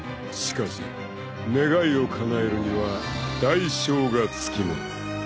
［しかし願いをかなえるには代償がつきもの］